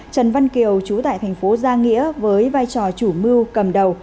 trần văn kiều trú tại tp gia nghĩa với vai trò chủ mưu cầm đầu